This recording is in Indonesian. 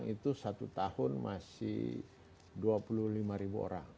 saya kira yang datang itu satu tahun masih dua puluh lima ribu orang